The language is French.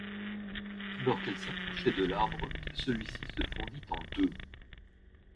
Alors qu'elles s'approchaient de l'arbre, celui-ci se fendit en deux.